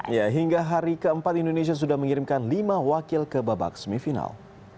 ya hingga hari keempat indonesia sudah mengirimkan lima wakil ke babak semifinal